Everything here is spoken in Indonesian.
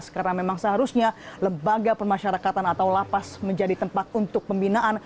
karena memang seharusnya lembaga pemasyarakatan atau lapas menjadi tempat untuk pembinaan